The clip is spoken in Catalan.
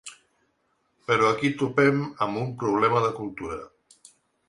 Però aquí topem amb un problema de cultura.